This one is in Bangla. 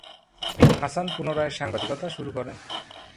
হাসান পুনরায় সাংবাদিকতা শুরু করেন।